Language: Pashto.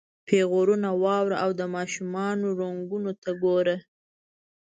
پیغورونه واوره او د ماشومانو رنګونو ته ګوره.